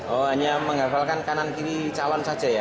oh hanya menghafalkan kanan kiri calon saja ya